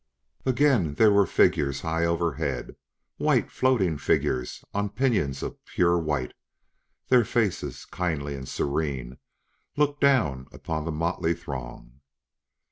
And again there were figures high overhead white, floating figures on pinions of pure white; their faces, kindly and serene, looked down upon the motley throng.